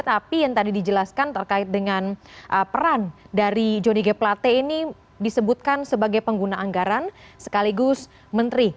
tapi yang tadi dijelaskan terkait dengan peran dari jonny g plate ini disebutkan sebagai pengguna anggaran sekaligus menteri